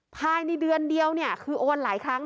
ภายในเดือนเดียวเนี่ยคือโอนหลายครั้ง